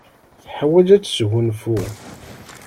Teḥwaj ad tesgunfu.